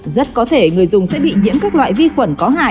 rất có thể người dùng sẽ bị nhiễm các loại vi khuẩn có hại